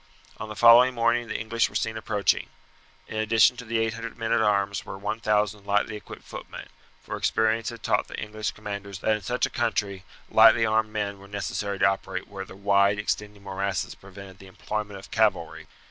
On the following morning the English were seen approaching. In addition to the 800 men at arms were 1000 lightly equipped footmen, for experience had taught the English commanders that in such a country lightly armed men were necessary to operate where the wide extending morasses prevented the employment of cavalry.